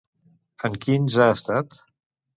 En quins ha estat?